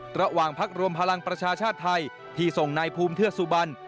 ระหว่างพักรวมพลังประชาชาติไทยที่ส่งนายภูมิเทือกสุบัน